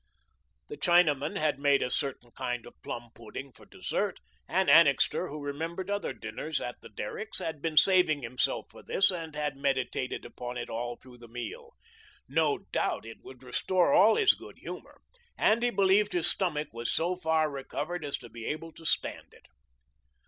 The Chinaman had made a certain kind of plum pudding for dessert, and Annixter, who remembered other dinners at the Derrick's, had been saving himself for this, and had meditated upon it all through the meal. No doubt, it would restore all his good humour, and he believed his stomach was so far recovered as to be able to stand it.